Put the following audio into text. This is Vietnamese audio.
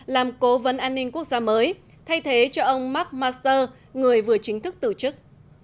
làm cố vấn an ninh quốc gia mới thay thế cho ông mark master người vừa chính thức tử chức